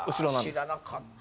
いや知らなかった。